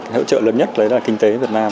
hỗ trợ lớn nhất là kinh tế việt nam